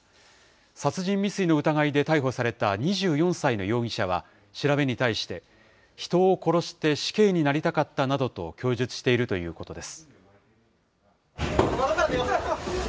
殺人未遂の疑いで逮捕された２４歳の容疑者は調べに対して、人を殺して死刑になりたかったなどと供述しているということです。